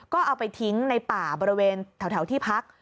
ก็เอาไปทิ้งในป่าบริเวณแถวที่พัก